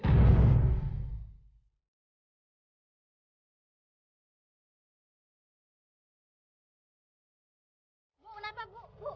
ibu kenapa ibu